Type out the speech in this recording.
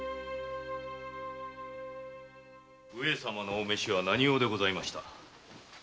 上様のお召しは何用でございました？